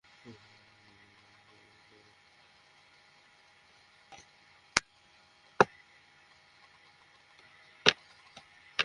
সারা পৃথিবী ঘুরে কত মহিলার সাথে দেখা হয়।